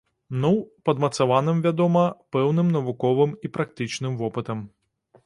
Ну, падмацаваным, вядома, пэўным навуковым і практычным вопытам.